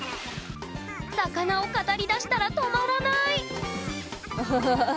魚を語りだしたら止まらない！